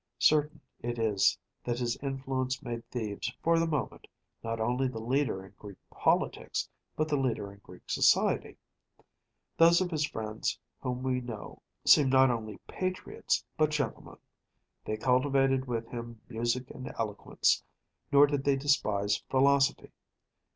Certain it is that his influence made Thebes, for the moment, not only the leader in Greek politics, but the leader in Greek society. Those of his friends whom we know seem not only patriots, but gentlemen‚ÄĒthey cultivated with him music and eloquence, nor did they despise philosophy.